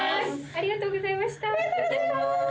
ありがとうございます。